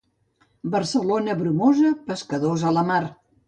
Barcelona bromosa, pescadors a mar.